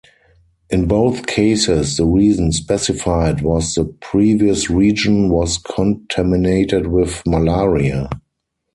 In both cases, the reason specified was that the previous region was contaminated with malaria.